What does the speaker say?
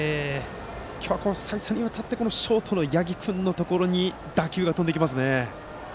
今日は再三にわたってショートの八木君のところに打球が飛んでいきますね。